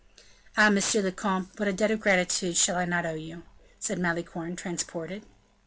"Ah! monsieur le comte, what a debt of gratitude shall I not owe you?" said Malicorne, transported.